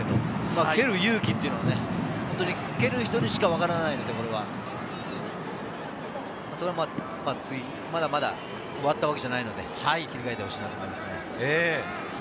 蹴る勇気は本当に蹴る人にしか分からないので、まだまだ終わったわけではないので、切り替えてほしいと思います。